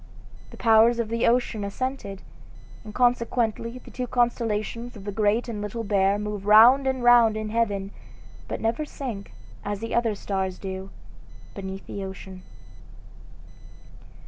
The powers of the ocean assented, and consequently the two constellations of the Great and Little Bear move round and round in heaven, but never sink, as the other stars do, beneath the ocean.